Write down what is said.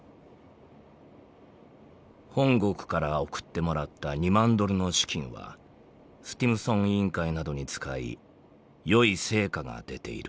「本国から送ってもらった２万ドルの資金はスティムソン委員会などに使い良い成果が出ている」。